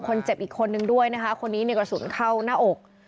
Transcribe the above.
อีกคนนึงด้วยนะคะคนนี้ในกระสุนเข้าหน้าอก